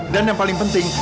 dan yang paling penting